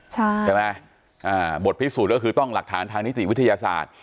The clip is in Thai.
ใช่ไหมอ่าบทพิสูจน์ก็คือต้องหลักฐานทางนิติวิทยาศาสตร์